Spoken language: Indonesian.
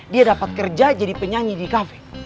dia dapat kerja jadi penyanyi di kafe